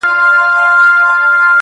• هغه به عادي نظم وي -